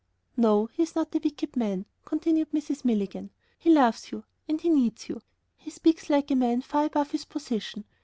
"No, he is not a wicked man," continued Mrs. Milligan; "he loves you ... and he needs you. He speaks like a man far above his position.